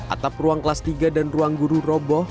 atap ruang kelas tiga dan ruang guru roboh